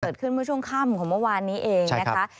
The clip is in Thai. เกิดขึ้นเมื่อช่วงค่ำของเมื่อวานนี้เองนะคะ